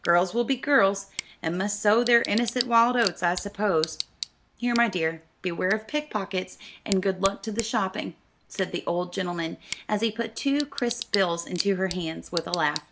Girls will be girls, and must sow their innocent wild oats I suppose. Here, my dear, beware of pick pockets, and good luck to the shopping," said the old gentleman, as he put two crisp bills into her hands, with a laugh.